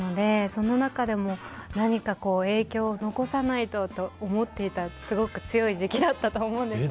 その中でも何か影響を残さないとと思っていたすごく強い時期だったと思うんですけど。